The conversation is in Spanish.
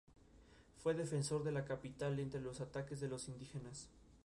Actualmente es capaz de dar servicio a diez millones de pasajeros al año.